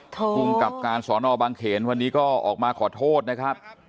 คุณกรรมการสอนอบังเขียนวันนี้ก็ออกมาขอโทษนะครับ